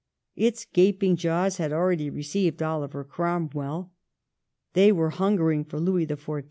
Its gaping jaws had already received OUver OromweU ; they were hunger ing for Louis XrV.